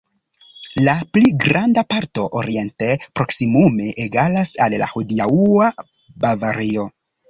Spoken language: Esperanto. La pli granda parto, oriente, proksimume egalas al la hodiaŭa Bavario.